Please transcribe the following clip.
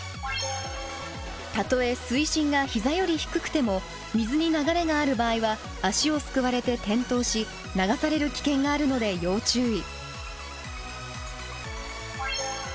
たとえ水深が膝より低くても水に流れがある場合は足をすくわれて転倒し流される危険があるので要注意。